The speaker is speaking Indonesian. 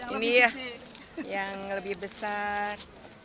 ini ya yang lebih besar